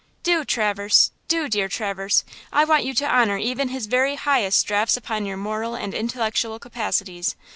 " "Do, Traverse–do, dear Traverse! I want you to honor even his very highest drafts upon your moral and intellectual capacities!